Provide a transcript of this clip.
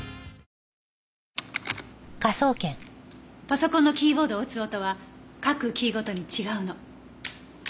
パソコンのキーボードを打つ音は各キーごとに違うの。